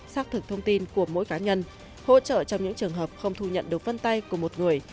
xác thực thông tin của mỗi cá nhân hỗ trợ trong những trường hợp không thu nhận được vân tay của một người